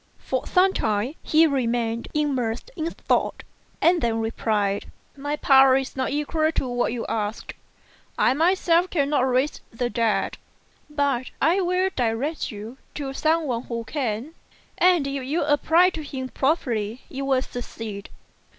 For some time he remained immersed in thought, and then replied, "My power is not equal to what you ask. I myself cannot raise the dead; but I will direct you to some one who can, and if you apply to him properly you will succeed."